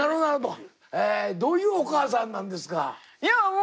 どういうお母さんなんですか？